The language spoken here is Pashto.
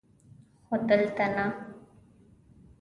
خو دلته نه!